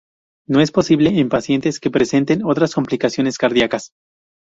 No es posible en pacientes que presenten otras complicaciones cardíacas.